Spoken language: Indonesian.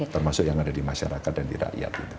termasuk yang ada di masyarakat dan di rakyat